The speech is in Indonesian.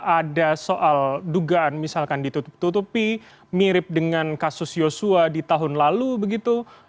ada soal dugaan misalkan ditutup tutupi mirip dengan kasus yosua di tahun lalu begitu